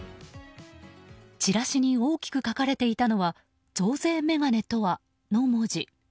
チラシに大きく書かれていたのは「増税メガネとは？」の文字。